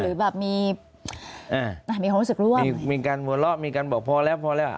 หรือแบบมีอ่ามีความรู้สึกร่วมมีการหัวเราะมีการบอกพอแล้วพอแล้ว